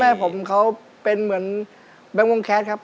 พ่อแม่ผมเขาเป็นเหมือนแบงวงแฆครับ